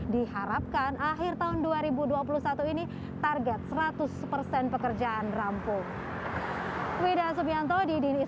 diharapkan akhir tahun dua ribu dua puluh satu ini target seratus persen pekerjaan rampung